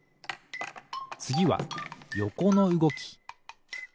つぎはよこのうごき。